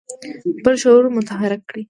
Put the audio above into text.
خپل شعور متحرک کړي.